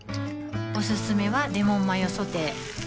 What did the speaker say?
おすすめはレモンマヨソテー